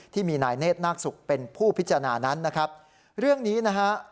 ที่มีนายเนธนาคศุกร์เป็นผู้พิจารณานั้นนะครับเรื่องนี้นะฮะ